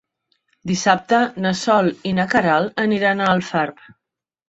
Dissabte na Sol i na Queralt aniran a Alfarb.